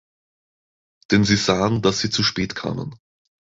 Denn sie sahen, dass sie zu spät kamen.